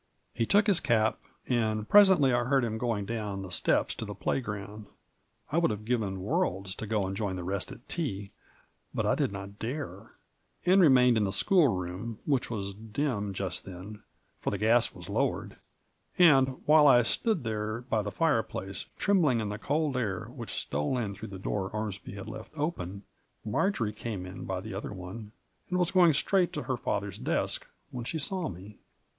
He took his cap, and presently I heard him going down the steps to the play ground. I would have given worlds to go and join the rest at tea, but I did not dare, and remained in the school room, which was dim just then, for the gas was lowered, and while I stood there by the fireplace, trembling in the cold air which stole in through the door Ormsby had left open, Marjory came in by the other one, and was going straight to her father's desk when she saw me.